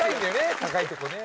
高いとこね。